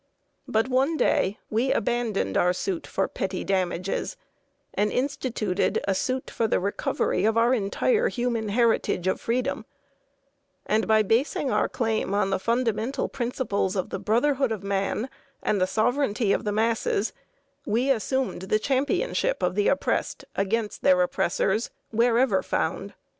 But one day we abandoned our suit for petty damages, and instituted a suit for the recovery of our entire human heritage of freedom; and by basing our claim on the fundamental principles of the brotherhood of man and the sovereignty of the masses, we assumed the championship of the oppressed against their oppressors, wherever found.